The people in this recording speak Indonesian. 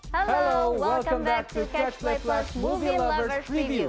halo selamat datang kembali di catch play plus movie lovers review